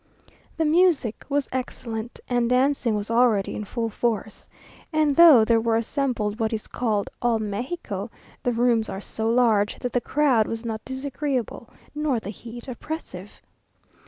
The music was excellent, and dancing was already in full force. And though there were assembled what is called all Mexico, the rooms are so large, that the crowd was not disagreeable, nor the heat oppressive.